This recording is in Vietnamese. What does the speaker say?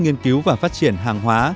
nghiên cứu và phát triển hàng hóa